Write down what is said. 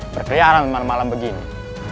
berkeliaran malam malam begini